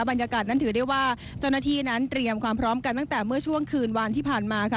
บรรยากาศนั้นถือได้ว่าเจ้าหน้าที่นั้นเตรียมความพร้อมกันตั้งแต่เมื่อช่วงคืนวานที่ผ่านมาค่ะ